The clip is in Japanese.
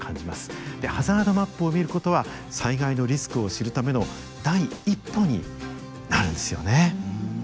でハザードマップを見ることは災害のリスクを知るための第一歩になるんですよね。